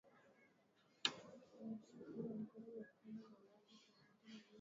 wasichana wako katika hatari kubwa ya kupata maambukizo ya virusi